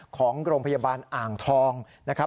ของโรงพยาบาลอ่างทองนะครับ